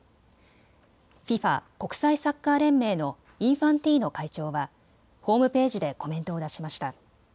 ＦＩＦＡ・国際サッカー連盟のインファンティーノ会長はホームページでコメントを出しました。